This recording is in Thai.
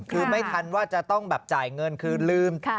คือไม่ทันว่าจะต้องแบบจ่ายเงินคือลืม